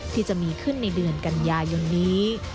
ที่จะมีขึ้นในเดือนกันยายนนี้